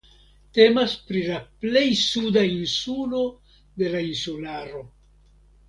Temas pri la plej suda insulo de la insularo.